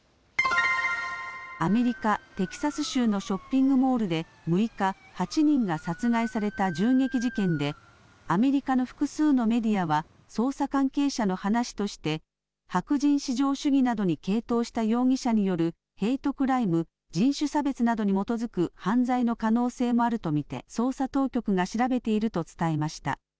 アメリカ・テキサス州のショッピングモールで６日、８人が殺害された銃撃事件でアメリカの複数のメディアは捜査関係者の話として白人至上主義などに傾倒した容疑者によるヘイトクライム・人種差別などに基づく犯罪の可能性もあると見て捜査当局が調べていると伝えました。